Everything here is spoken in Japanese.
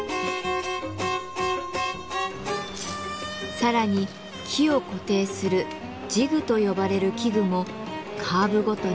さらに木を固定する「治具」と呼ばれる器具もカーブごとに綿密に設計。